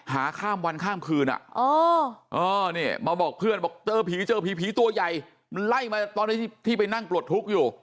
ข้ามวันข้ามคืนมาบอกเพื่อนบอกเจอผีเจอผีตัวใหญ่มันไล่มาตอนที่ไปนั่งปลดทุกข์อยู่